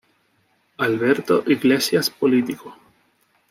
Alberto Iglesias Político.